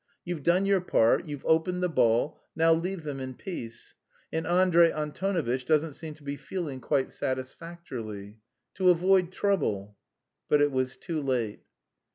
You've done your part, you've opened the ball, now leave them in peace. And Andrey Antonovitch doesn't seem to be feeling quite satisfactorily.... To avoid trouble." But it was too late.